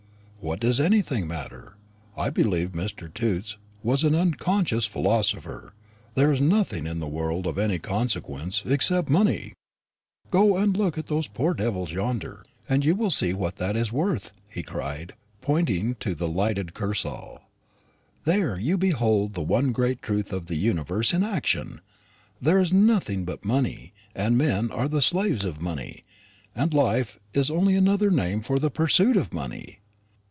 "What does anything matter? I believe Mr. Toots was an unconscious philosopher. There is nothing in the world of any consequence, except money. Go and look at those poor devils yonder, and you will see what that is worth," he cried, pointing to the lighted Kursaal; "there you behold the one great truth of the universe in action. There is nothing but money, and men are the slaves of money, and life is only another name for the pursuit of money.